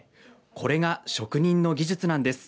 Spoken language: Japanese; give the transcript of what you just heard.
これが職人の技術なんです。